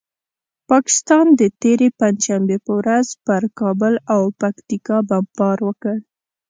پاکستان د تېرې پنجشنبې په ورځ پر کابل او پکتیکا بمبار وکړ.